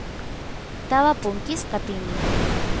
taba punkisqa apini